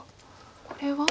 これは。